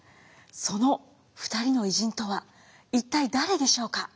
その２人の偉人とは一体誰でしょうか？